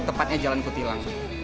tepatnya jalan kutilang